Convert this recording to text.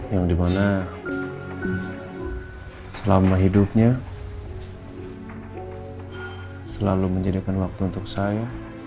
yang dimana selama hidupnya selalu menjadikan waktu untuk saya